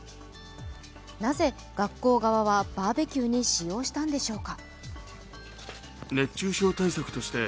なぜ学校側はバーベキューに使用したんでしょうか。